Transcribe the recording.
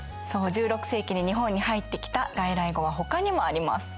１６世紀に日本に入ってきた外来語はほかにもあります。